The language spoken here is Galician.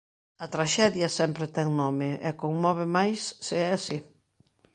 A traxedia sempre ten nome e conmove máis se é así.